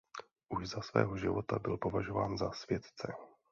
Už za svého života byl považován za světce.